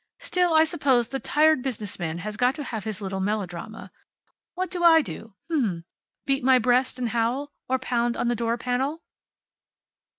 Still, I suppose the tired business man has got to have his little melodrama. What do I do? H'm? Beat my breast and howl? Or pound on the door panel?"